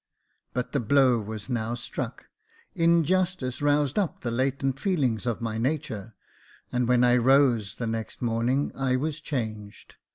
But the blow was now struck, injustice roused up the latent feelings of my nature, and when I rose the next morning I was changed.